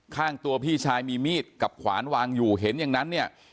ข้างตัวพี่ชายมีมีดกับขวานวางอยู่เห็นอย่างนั้นเนี่ย